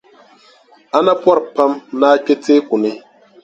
A na pɔri pam ni a kpe teeku ni.